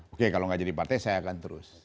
oke kalau nggak jadi partai saya akan terus